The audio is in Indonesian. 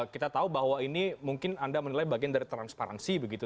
kita tahu bahwa ini mungkin anda menilai bagian dari transparansi begitu